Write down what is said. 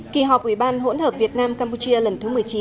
kỳ họp ủy ban hỗn hợp việt nam campuchia lần thứ một mươi chín